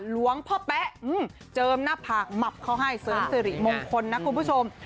หลวงพ่อแป๊ะเจิมหน้าผากหมับเขาให้เสริมสิริมงคลนะคุณผู้ชม